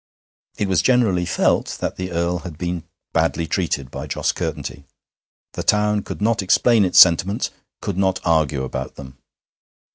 It was generally felt that the Earl had been badly treated by Jos Curtenty. The town could not explain its sentiments could not argue about them.